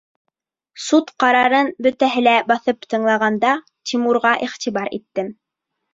Суд ҡарарын бөтәһе лә баҫып тыңлағанда, Тимурға иғтибар иттем.